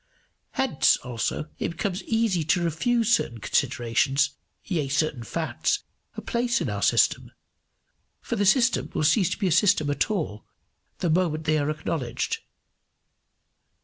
Hence, also, it becomes easy to refuse certain considerations, yea, certain facts, a place in our system for the system will cease to be a system at all the moment they are acknowledged.